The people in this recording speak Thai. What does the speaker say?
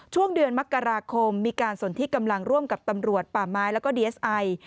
ช่วงเดือนมกราคมมีการสนที่กำลังร่วมกับตำรวจป่าไม้แล้วก็ดีเอสไอ